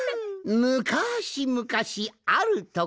むかしむかしあるところに。